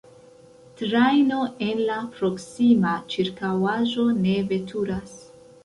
Trajno en la proksima ĉirkaŭaĵo ne veturas.